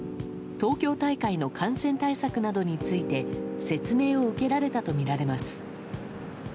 東京大会の感染対策などについて説明を受けられたとみられます。